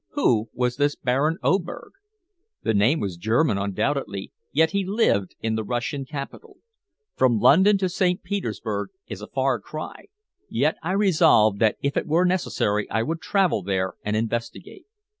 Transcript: Who was this Baron Oberg? The name was German undoubtedly, yet he lived in the Russian capital. From London to Petersburg is a far cry, yet I resolved that if it were necessary I would travel there and investigate.